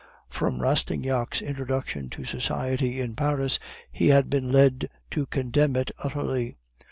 "From Rastignac's introduction to society in Paris, he had been led to contemn it utterly.